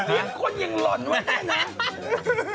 เลี้ยงคนยังล่อนไว้เนี่ย